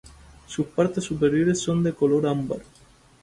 Sus partes superiores son de color ámbar.